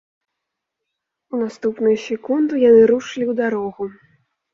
У наступную секунду яны рушылі ў дарогу.